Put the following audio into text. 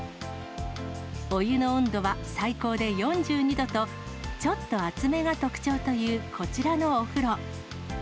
お湯の温度は最高で４２度と、ちょっと熱めが特徴というこちらのお風呂。